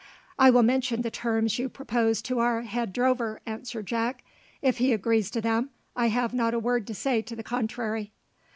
"I will mention the terms you propose to our head drover," answered Jack: "if he agrees to them, I have not a word to say to the contrary."